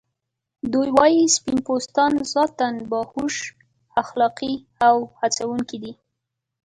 دوی وايي سپین پوستان ذاتاً باهوښ، اخلاقی او هڅونکي دي.